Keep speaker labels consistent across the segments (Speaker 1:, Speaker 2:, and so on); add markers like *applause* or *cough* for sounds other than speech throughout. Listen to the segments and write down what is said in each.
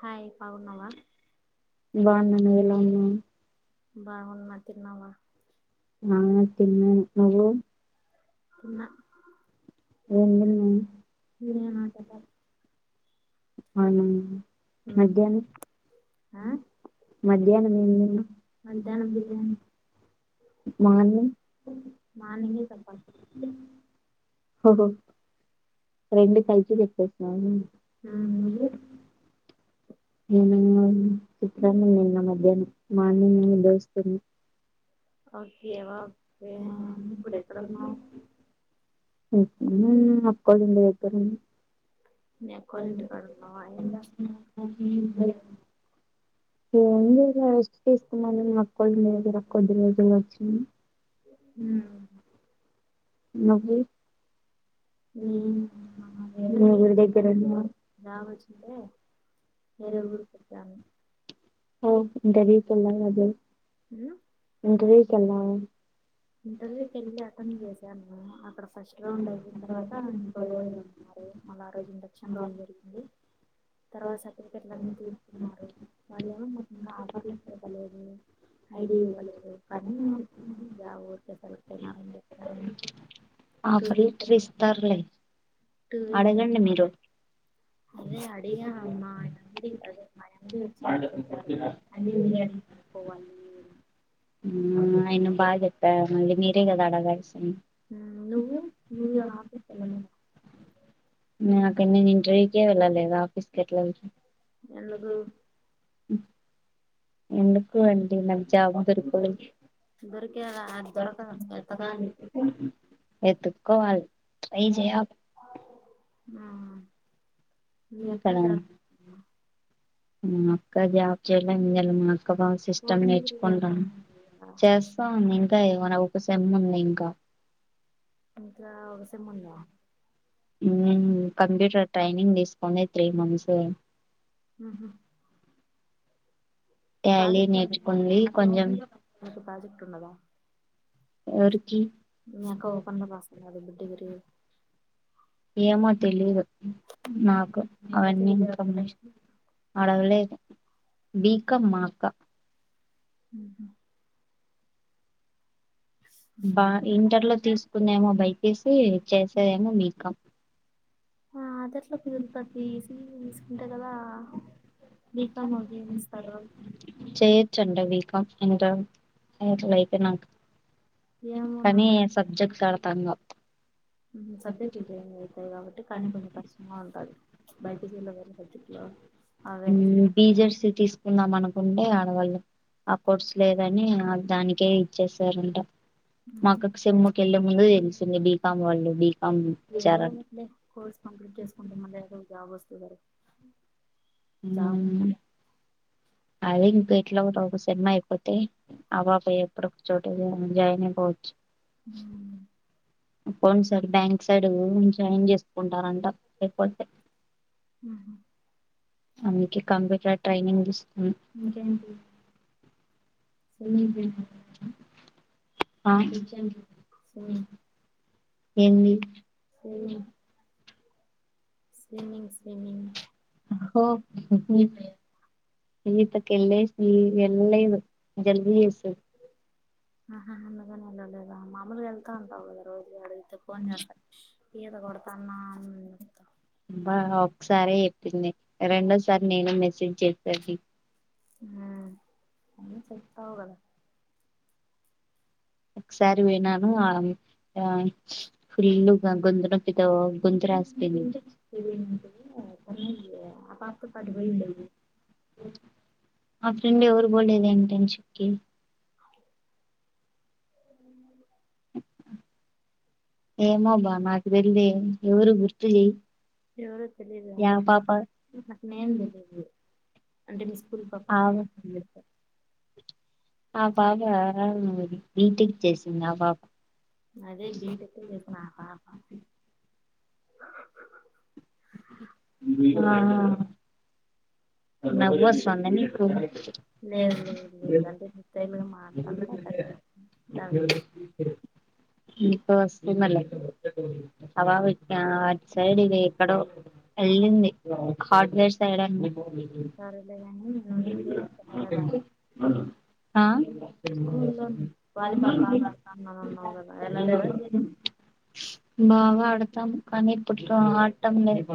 Speaker 1: Hi బాగున్నావా
Speaker 2: బాగున్నా నువ్వు ఎలా ఉన్నావు
Speaker 1: బాగున్న తిన్నావా
Speaker 2: ఆ తిన్న నువ్వు
Speaker 1: తిన్నా
Speaker 2: ఏం
Speaker 1: నేనా
Speaker 2: తిన్నావ్
Speaker 1: చపాతి
Speaker 2: అవునా
Speaker 1: ఆ
Speaker 2: మధ్యనం ఏం
Speaker 1: మధ్యాహ్నం
Speaker 2: తిన్నావ్
Speaker 1: బిర్యానీ
Speaker 2: మార్నింగ్
Speaker 1: మార్నింగే చపాతి
Speaker 2: ఓహో రెండు పైకి చెప్పేసినావా
Speaker 1: ఉ నువ్వు
Speaker 2: ఉ నేను చిత్రాన్నం తిన్న న మధ్యానం మార్నింగ్ దోశ తిన్న
Speaker 1: ఓకే వా ఓకే ఇప్పుడెక్కడ ఉన్నావ్
Speaker 2: ఉహు అక్కొల్ల ఇంటిదగ్గర ఉన్న
Speaker 1: మీ అక్కోళ్ళ ఇంటికాడ ఉన్నావా ఏం చేస్తున్నావ్
Speaker 2: అ *inaudible* ఎం చెయ్ల రెస్ట్ తీసుకుందాం అని మా అక్కొల్ల ఇంటి దగ్గర కొన్ని రోజులు వచ్చిన
Speaker 1: ఊ
Speaker 2: నువ్వు
Speaker 1: నేను
Speaker 2: ఉమ్,
Speaker 1: ఆ రోజు
Speaker 2: మీ ఊరి దగ్గర ఉన్నావా
Speaker 1: రావచ్చంటే వేరే ఊరికొచ్చాము
Speaker 2: ఓ ఇంటర్వ్యూ కెళ్లాలి అదె
Speaker 1: ఉమ్,
Speaker 2: ఇంటర్వ్యూ కి ఎల్లా
Speaker 1: ఇంటర్వ్యూకి వెళ్ళి అటెండ్ చేశాను అక్కడ ఫస్ట్ రౌండ్ అయిపోయిన తర్వాత ఇంకో మళ్ళీ ఆ రోజు ఇండక్షన్ రౌండ్ జరిగింది తర్వాత సర్టిఫికెట్లన్నీ తీసుకున్నారు వాళ్ళేమో ముఖ్యంగా ఆఫర్లు పెరగలేదు ఐడిఐ
Speaker 2: వెళ్ళావా
Speaker 1: వరకు పని జా ఊరికే సెలెక్ట్ అయినావు అని చెప్తారేమో
Speaker 2: ఆఫర్ లెటర్ ఇస్తారులే అడగండి మీరు
Speaker 1: అదే అడిగా అమ్మా నం అదే అమ్మా వచ్చారు అన్ని మీరే పోవాలి
Speaker 2: ఉ ఆయన బాగాత్త మళ్ళీ మీరే గద అడగా
Speaker 1: నువ్వు నువ్వు ఆఫీస్కి వెళ్ళలేవు
Speaker 2: నా ఇంటర్వ్యూ కే ఎల్లలేద ఆఫిస్ కెట్ల
Speaker 1: ఎందుకు
Speaker 2: ఎందుకు అండి నాకు జాబ్ దొరకదు
Speaker 1: దొరికేలా దొరక వెతకాలి
Speaker 2: *unintelligible* వెతుక్కోవాలి హె జయ్ అగు
Speaker 1: ఆ మీ అక్క
Speaker 2: కదా
Speaker 1: జ
Speaker 2: మా అక్క జాబ్ చేయడానికి వేల సిస్టమ్
Speaker 1: ఓపెన్ డిగ్రీ చేస్తా
Speaker 2: నేర్చుకుంటాం చేస్తాం ఇంకా ఏమైనా ఇంకో సేమ్ ఉంది ఇంకా
Speaker 1: ఇంకా ఒక సేమ్ ఉందా
Speaker 2: ఉమ్ కంప్యూటర్ ట్రైనింగ్ తీసుకోందీ త్రీ మంత్స్
Speaker 1: ఆ
Speaker 2: టాలీ
Speaker 1: పజెక్ట్
Speaker 2: నేర్చుకుంది కొంచెం
Speaker 1: పజెక్ట్ ఉన్నదా
Speaker 2: ఎవరికి
Speaker 1: మీ అక్క ఓపెన్ లో రాస్తుందా డిగ్రీ
Speaker 2: ఏమో తెలిదు నాకు అవన్నీ ఇన్ఫర్మేషన్ అడగలేదు బీకాం మా అక్క
Speaker 1: ఉ
Speaker 2: బా ఇంటర్ లో తీసుకుందేమో బైపీసీ చేసేదేమో బీకామ్
Speaker 1: ఆ అదట్లో కుదురుతుంది సిఈసి తీసుకుంటే కదా బీకామ్ అభ్యనిస్తారు
Speaker 2: చేయొచ్చంట బీకాం ఇంటర్ ఇంటర్ అయిపోయినాక
Speaker 1: ఏమో
Speaker 2: కానీ
Speaker 1: నాకు
Speaker 2: సబ్జెక్ట్డ తగమ్
Speaker 1: సబ్జెక్ట్ ఇ టైములో అవుతాయి కాబట్టి కానీ కొంచెం కష్టం బా ఉంటాది బైపీసీలో వేరే సబ్జెక్ట్లో ఆ వేరే సబ్జెక్ట్
Speaker 2: మనుకుంటే ఆడవాళ్ళు ఆ కోర్స్ లేదని దానికే ఇచ్చేసారంట మా
Speaker 1: సబ్జెక్ట్
Speaker 2: అక్కకి సెంకెళ్లే ముందు తెలిసింది బీకాం వాళ్ళు బీ
Speaker 1: ఏదో ఒకట్లే కోర్స్ కంప్లీట్ చేసుకుంటా మళ్ళీ ఏదో జాబ్ వస్తుందారు
Speaker 2: ఉ అదే ఇంక ఇట్లా ఒక సేమ్ అయిపోతాయి ఆ పాప ఎప్పుడ ఒక చో ఏదయినా జయిన పోచ్చు account side bank side join చేసుకుంటారంట అయిపోతే అందుకే కంప్యూటర్ ట్రైనింగ్ ఇస్తును
Speaker 1: ఇంకేంటి స్విమ్మింగ్
Speaker 2: ఉహు
Speaker 1: నీకొచ్చా స్విమ్మింగ్
Speaker 2: ఏంది
Speaker 1: సివిమింగ్ సివిమింగ్
Speaker 2: నేన్ ఇట్లా కేలేసి జల్దీ చేస్తాడు
Speaker 1: ఆహా అందుగానే వెళ్లలేదా మామూలుగా వెళ్తా ఉంటావు కదా రోజు అటు ఫోన్ చేస్తా ఈత కొడతా అన్న
Speaker 2: అబ్బా ఒకసారే చేతానికి
Speaker 1: ఉ అన్ని చెప్తావు కదా
Speaker 2: ఒకసారి వినను ఆ ఫుల్లు గొంతు నొప్పితో గొంతు రాసి ఉహు
Speaker 1: అంటే చెన్నైకి ఆ పాపతో పాటు పోయిండేది
Speaker 2: ఆ ఫ్రెండ్ ఎవరు బోల్ద ఇంటెన్షిప్ కి
Speaker 1: ఉ
Speaker 2: ఏమబ్బా నాకు తెల్దే ఎవరు గుర్తు చెయ్
Speaker 1: ఎవరరో తెలిదు
Speaker 2: యా
Speaker 1: మ
Speaker 2: పాప
Speaker 1: నాకు నేమ్ తెలిదు
Speaker 2: అవ్ను ఆ బాగా బి టెక్ చేసింది ఆ పాప
Speaker 1: అదే బీటెక్ చేసిన ఆ పాప
Speaker 2: ఆ నవ్వొస్తాందా నీకు
Speaker 1: లేేవు లేేవు లే తెలుగు మాట్లాడరు ఒ
Speaker 2: ఇంకా వస్తుంది లే అపాప అటు సైడ్ ఎక్కడో వెళ్ళింది హార్డ్ వేర్ సైడ్ అంట
Speaker 1: సర్లే కానీ నువ్ ఇంక ఎం చేయలేదా
Speaker 2: ఆ
Speaker 1: స్కూలో వాలీబాల్ బాగా ఆడతాన్నాం అన్నావ్ కదా ఎల్ల లేదా
Speaker 2: బాగా ఆడతాం కానీ ఇప్పుట్లో ఆడటం లేదు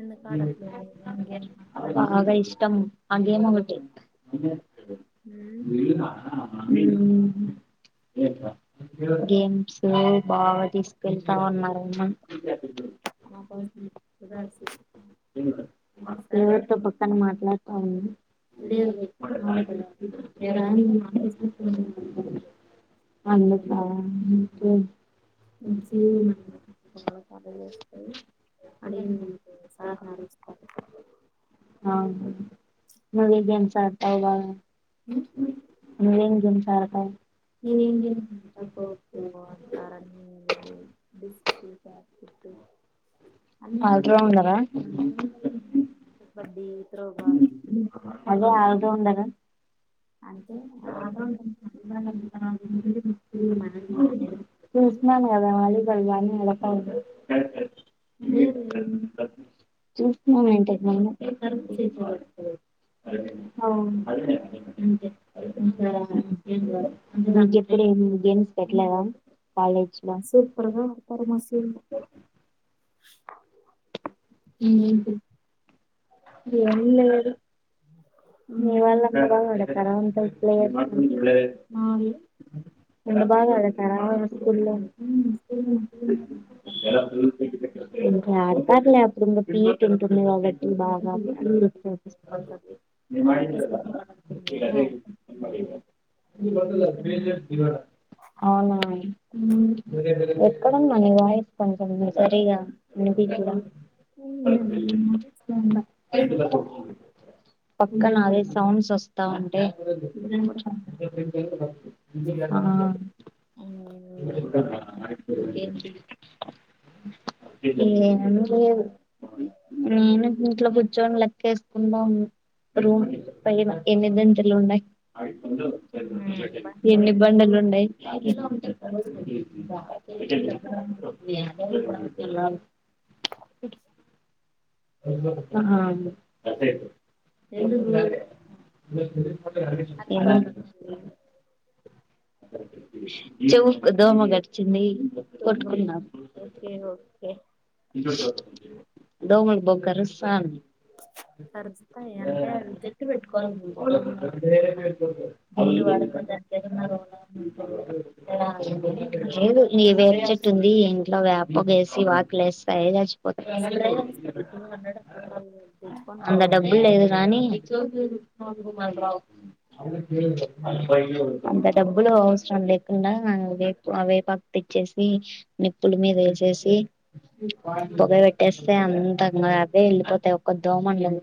Speaker 1: ఎందుకు ఆడట్లేదు గేమ్స్ లేదా
Speaker 2: బాగా ఇష్టం ఆ గేమ్ ఒకటి ఉ గేమ్స్ బాగా తీసుకెళ్తా ఉన్నారేమ
Speaker 1: నా కోసం ఉదర్సి
Speaker 2: ఎవరితో పక్కన మాట్లాడుతా ఉన్నా అదే
Speaker 1: లేదు లేదు కదా ఏడా
Speaker 2: అా
Speaker 1: అడిగింది సార్ నడుస్తారు
Speaker 2: అవును మీరు ఈ గేమ్స్ ఆడతారుగా మీరేం గేమ్స్ ఆడతారు
Speaker 1: నేనేం బ్యాస్కెట్ అన్ని
Speaker 2: ఆల్
Speaker 1: ఆడతాను
Speaker 2: రౌండరా
Speaker 1: కబడ్డీ త్రో బాల్
Speaker 2: అదే ఆల్ రౌండరా
Speaker 1: అ రాదు
Speaker 2: చుష్నాను కదా వాలి బాల్
Speaker 1: ఏమి
Speaker 2: చూస్తున్నాం ఏంటి ఐన అవును
Speaker 1: ఇంకా
Speaker 2: అంతె చెప్పడు ఏం గేమ్స్ పెట్టలేద కాలేజ్లో
Speaker 1: సూపర్ గా ఆడతారు మస్తు ఇంకేంటి
Speaker 2: ఇంగేంటి ఎం లేదు
Speaker 1: ఉమ్,
Speaker 2: వతార పలే
Speaker 1: మా వాళ్ళు
Speaker 2: అంత
Speaker 1: మా
Speaker 2: బాగా అడతారా వాళ్ళ స్కూల్లో ఇంగ ఆడతారు లే అప్పుడు పీయిట్ ఉంటుంది కాబా బాగాని
Speaker 1: వాళ్ళు
Speaker 2: నీ మైండ్
Speaker 1: అదొక
Speaker 2: లేదా అన్న
Speaker 1: సిద్ధమే
Speaker 2: *unintelligible* అవునా ఎక్కడున్నవ్ ని వాయిస్ కొంచం సరిగా వినిపించడం
Speaker 1: ఇప్పుడు
Speaker 2: పక్కన అదే
Speaker 1: ఇనపడు
Speaker 2: సౌండ్స్ ఒస్తా ఉంటే
Speaker 1: ఇప్పుడు ఇనపడు
Speaker 2: ఆ ఇ అ
Speaker 1: ఇంకేంటి
Speaker 2: *unintelligible* ఏం లె నేనె ఇంట్లో కూచ్చోని లెక్కేసుకుంటా ఉన్నా రూమ్ పై ఎన్ని దంటలున్నయ్ ఎన్ని బండలు ఉ ఉండాయ్ ఆహ
Speaker 1: ఎందుకు
Speaker 2: ఏమన్ చెవ్కు దోమ గడిచింది కొట్టుకున్న
Speaker 1: కె
Speaker 2: దోమలు బొ కరుస్తాంది
Speaker 1: కార్స్తా అంతె అది జట్టు పెట్టుకోవాలి మీరు దోమ జట్టు వాసన్
Speaker 2: మరున్నా లేదు ఈ వేప్ చెట్టు ఉంది ఇంట్లో వ్యాపొగేసి వాకి ఎస్తే అయ్యే సచ్చి పో
Speaker 1: స్ప్రే వస్తది టూ హండ్రెడ్ రూపాయలు తెచ్చుకొని
Speaker 2: అంద
Speaker 1: కొట్టు
Speaker 2: డబ్బు లేద్ గానీ
Speaker 1: రూమల్రావు
Speaker 2: అంత డబ్బులు అవసరం లేకుండా వేప్ వేపాకు తెచ్చేసి నిప్పుల్ మీద ఏసేసి పొగ వెట్టేస్తే అంతంగా అవ్వె ఎళ్ళిపోతాయ్ ఒక్క దోముండదు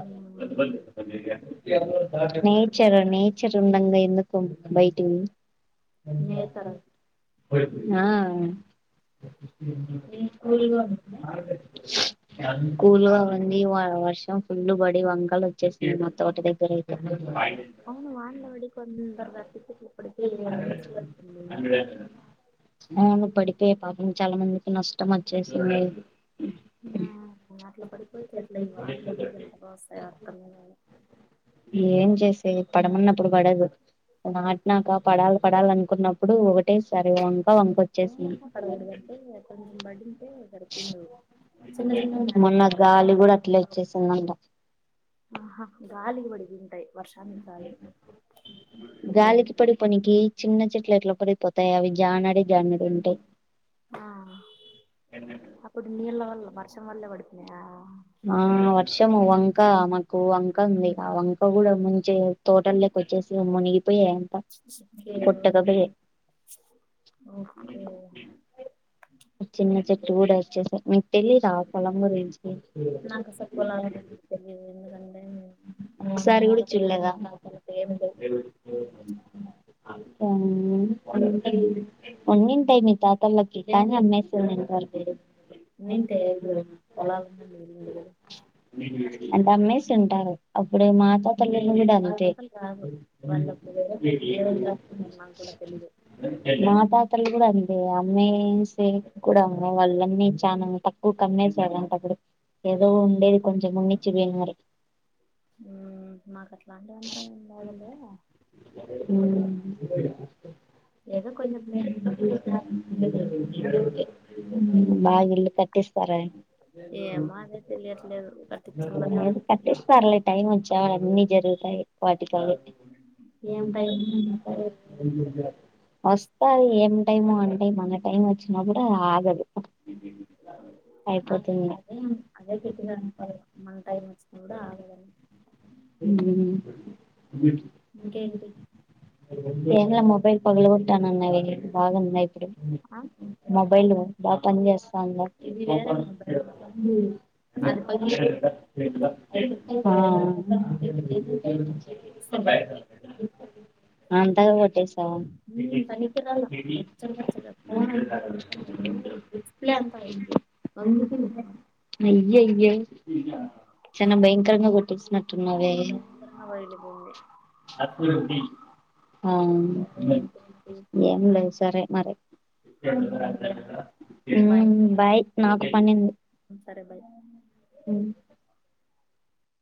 Speaker 1: అవు *unintelligible*
Speaker 2: నేచర్ నేచర్ ఉండంగ ఎందుకు బైటివి
Speaker 1: నేతర
Speaker 2: ఆ
Speaker 1: ఏ కూల్గా ఉంటుందా
Speaker 2: కూల్గ ఉంది వ వర్షం పుల్ళు బడి వంకల్ ఓచ్చేసినయ్ మా తోట దగ్గరయితే నెం
Speaker 1: అవును వానలో పడి కొందరు అట్టిచెట్లు పడిపోయి న్యూస్ లో వచ్చింది
Speaker 2: గూడా *unintelligible* అవును ఉప్పడికే పాపము చాలా మందికి న
Speaker 1: ఆ అట్ల పడుపోచ్చట్లా *inaudible* దోస్సే యాత్రల్ *inaudible*
Speaker 2: ఏం చేసే పడమన్నప్పుడు పడదు నాటినాక పడాల్ పడాలనుకున్నప్పుడు ఒకటే సారి వంక వంక ఓచ్చిసింది
Speaker 1: ఎ కొంచెం బడి
Speaker 2: మొన్న
Speaker 1: నాటింటారు
Speaker 2: గాలి కూడా అట్లే అచ్చేసిందంట
Speaker 1: ఆహా గాలిక్ పడి ఉంటయి వర్షానికి గాదు
Speaker 2: గాలికి పడి పొనికి చిన్న చెట్లు ఎట్ల పడిపోతాయి అవి జానాడే జానాడు ఉంటయి
Speaker 1: ఆ అప్పుడు నీళ్ళ వల్ల వర్షం వల్లే పడుపోనయా
Speaker 2: ఆ వర్షము వంక మాకు వంక ఉంది అ వం అవి కూడా ముంచే తోటలేక్క ఓచ్చేసి మునిగిపోయే
Speaker 1: కే ఒ ఓకే
Speaker 2: చిన్న చెట్టు ఉడా అచ్చేసాయి మిగితయి రా పొలంలో రేచి
Speaker 1: నాకు అసలు పోలాల తెలియదు ఎందుకంటేే
Speaker 2: ఒకసారి కూడా
Speaker 1: *unintelligible*
Speaker 2: చూడలేదా
Speaker 1: అసలు కేందో
Speaker 2: *inaudible* అన్ని ఉంటాయి తాతలకిని కానీ అమ్మేస్తం పతుదు
Speaker 1: ఉన్నింటే పొలాలన్నా లేదుండు కదా
Speaker 2: *unintelligible* అంటే అమ్మస్ ఉంటరు అప్పుడేం మాట్లాడత అంతే
Speaker 1: అసలు రాదు వాళ్ళకు వేరే నాకు కూడా తెలిదు
Speaker 2: మా తాతలు కూడా అంతే అమ్మేసే కూడా ఉన్నాయి వాళ్ళన్నీ చాలా తక్కువకు అమ్మేశారంట అప్పుడూ ఏదో ఉండేది కొంచెం ఉన్ని ఇచ్చిపోయినారు
Speaker 1: మాకు అట్లాంటి అంతే ఏం లేదులే
Speaker 2: ఉ
Speaker 1: ఏదో కొంచెం లేదు
Speaker 2: *unintelligible* బాగా ఇల్లు కట్టిస్తారా
Speaker 1: ఏమో అదే తెలియట్లేదు కట్టించాలనే
Speaker 2: కట్టిస్తార్లే టైం వచ్చ అన్ని జరుగుతాయి వాటి
Speaker 1: ఏం టైం
Speaker 2: ఉంటాయా వస్తది ఏం టైము అంటే మన టైం వ చిన్నపుడు ఆగదు
Speaker 1: ఆ
Speaker 2: అయిపోతుంది
Speaker 1: అదే అన్- అదే గట్టిగా అనుకోల మన టైం వచ్చిన కూడ ఆగదు విశేష
Speaker 2: ఎమ్లా మొబైల్ పగలిగుట్టానన్న బాగుంద ఇప్పుడు
Speaker 1: ఆ
Speaker 2: మొబైల్ బా పని చేస్తాంద
Speaker 1: ఇది వేరే మొబైల్ ఇది అది పగిలితే
Speaker 2: ఆ బయట అంతకా కొట్టేసావ
Speaker 1: ఉమ్ పనికిరాల కచ్చర్ కచ్చర్ ఫోన్ అంతా డిస్ప్లే అంత పగిలిపోయింది
Speaker 2: అయ్యయ్యో చనా భయంకరంగా కొట్టసి
Speaker 1: లు బోయి
Speaker 2: ఆ ఏం లేదు సరే మరి
Speaker 1: సరే ఉమ్ లేదా? బాయ్.
Speaker 2: ఉమ్ బాయ్ నాకు పనుంది
Speaker 1: సరే బాయ్